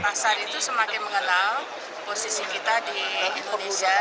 pasar itu semakin mengenal posisi kita di indonesia